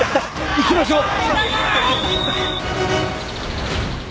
行きましょう！